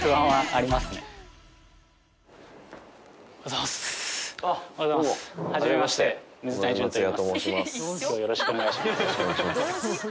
はい。